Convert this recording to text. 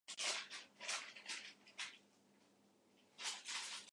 一人じゃ何一つ気づけなかっただろう。こんなに大切な光に。